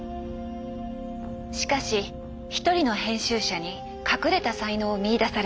しかし一人の編集者に隠れた才能を見いだされます。